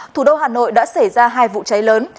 thủ đô hà nội đã xảy ra hai vụ cháy lớn